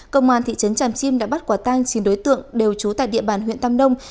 công an thị trấn tràm chim đã bắt quả tang chín đối tượng đều trú tại địa bàn huyện tam nông